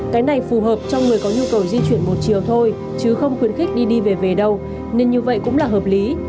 cái này phù hợp cho người có nhu cầu di chuyển một chiều thôi chứ không khuyến khích đi đi về về đâu nên như vậy cũng là hợp lý